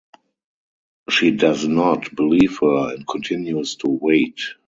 She does not believe her and continues to wait.